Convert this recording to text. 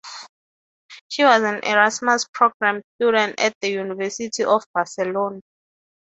She was an Erasmus Programme student at the University of Barcelona.